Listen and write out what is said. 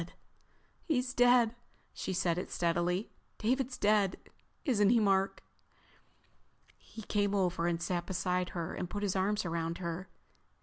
"He's dead." She said it steadily. "David's dead, isn't he, Mark?" He came over and sat beside her and put his arms around her.